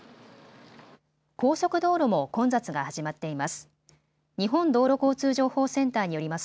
高速道路も混雑が始まっています。